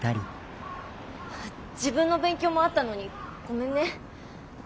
自分の勉強もあったのにごめんね。